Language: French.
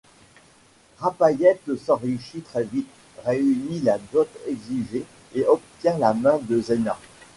Rapayet s'enrichit très vite, réunit la dot exigée et obtient la main de Zaina.